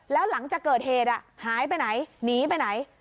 แล้วหลังจากเกิดเหตุหายไปไหนหนีไปไหน